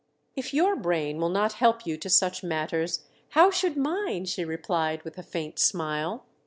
" If your brain will not help you to such matters, how should mine ?" she replied, with a faint smile.